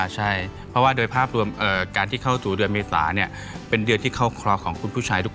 เป็นพิการนะเพราะว่าโดยภาพรวมการเข้าสู่เดือนเมษาเนี่ยเป็นเดือนที่เข้าครอบคุณผู้ชายทุกคน